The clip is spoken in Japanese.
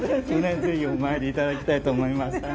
ぜひお参り頂きたいと思います。